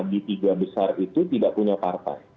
di tiga besar itu tidak punya partai